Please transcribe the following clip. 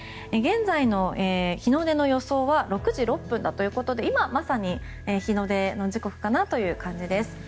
現在の日の出の予想は６時６分ということで今まさに日の出の時刻という感じです。